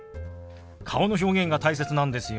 顔の表現が大切なんですよ。